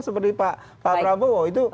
seperti pak prabowo